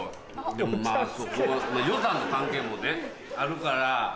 でもまぁそこは予算の関係もねあるから。